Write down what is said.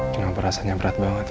kenapa rasanya berat banget ya